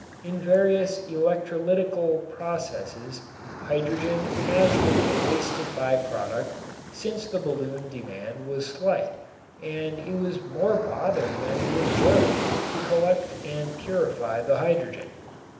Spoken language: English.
In various electrolytical processes hydrogen has been a wasted by product since the balloon demand was slight and it was more bother than it was worth to collect and purify the hydrogen.